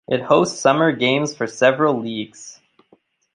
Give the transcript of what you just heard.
It hosts summer games for several leagues.